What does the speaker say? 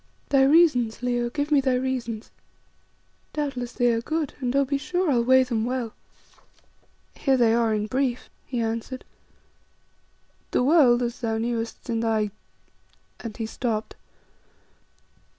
"Thy reasons, Leo, give me thy reasons. Doubtless they are good, and, oh! be sure I'll weigh them well." "Here they are in brief," he answered. "The world, as thou knewest in thy " and he stopped.